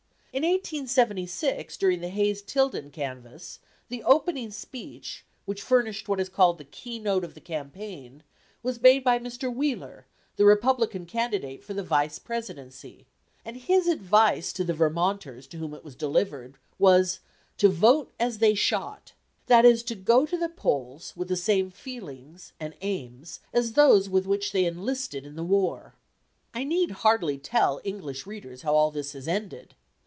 In 1876, during the Hayes Tilden canvass, the opening speech which furnished what is called "the key note of the campaign" was made by Mr. Wheeler, the Republican candidate for the Vice Presidency, and his advice to the Vermonters, to whom it was delivered, was "to vote as they shot," that is, to go to the polls with the same feelings and aims as those with which they enlisted in the war. I need hardly tell English readers how all this has ended.